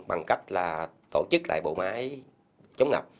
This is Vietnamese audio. bằng cách tổ chức lại bộ máy chống ngập